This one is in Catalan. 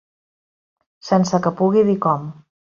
Sense que pugui dir com